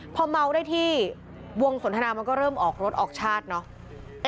พอเมาได้ที่วงสนทนามันก็เริ่มออกรถออกชาติเนอะ